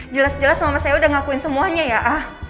jelas jelas mama saya udah ngakuin semuanya ya ah